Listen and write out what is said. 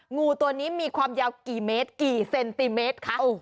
งูตัวนี้มีความยาวกี่เมตรกี่เซนติเมตรคะ